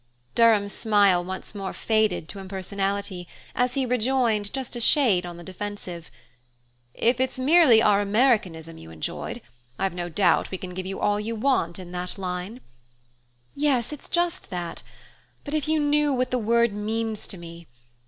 Durham's smile once more faded to impersonality, as he rejoined, just a shade on the defensive: "If it's merely our Americanism you enjoyed I've no doubt we can give you all you want in that line." "Yes, it's just that! But if you knew what the word means to me!